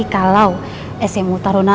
kalau smu taruna